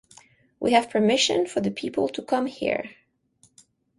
We have permission for the people to come here.